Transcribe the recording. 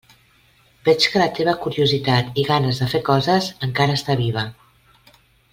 Veig que la teva curiositat i ganes de fer coses encara està viva.